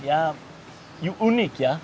ya unik ya